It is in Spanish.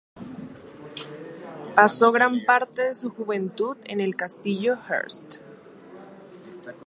Pasó gran parte de su juventud en el Castillo Hearst.